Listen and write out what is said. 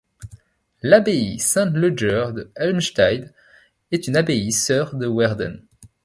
L'abbaye Saint-Ludger de Helmstedt est une abbaye sœur de Werden.